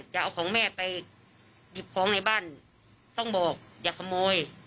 จะเอาของแม่ไปหยิบของในบ้านต้องบอกอย่าขโมย